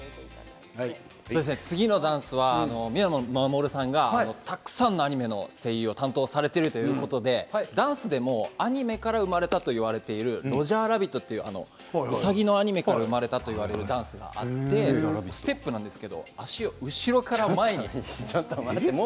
次のダンスは宮野真守さんがたくさんのアニメの声優を担当されているということでダンスでもアニメから生まれたといわれている「ロジャー・ラビット」といううさぎのアニメから生まれたというダンスがあってステップです。